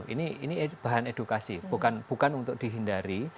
ini bahan edukasi bukan untuk dihindari